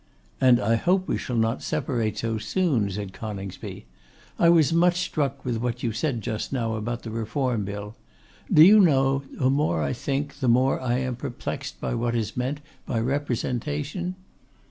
'And I hope we shall not separate so soon,' said Coningsby; 'I was much struck with what you said just now about the Reform Bill. Do you know that the more I think the more I am perplexed by what is meant by Representation?